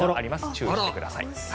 注意してください。